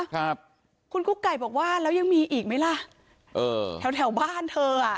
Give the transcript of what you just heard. ครับคุณกุ๊กไก่บอกว่าแล้วยังมีอีกไหมล่ะเออแถวแถวบ้านเธออ่ะ